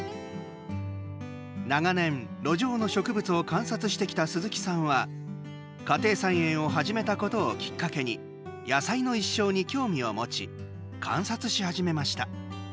長年、路上の植物を観察してきた鈴木さんは家庭菜園を始めたことをきっかけに野菜の一生に興味を持ち観察し始めました。